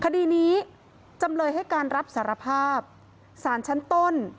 คดีนี้จำเลยให้การรับสารภาพสารชั้นต้น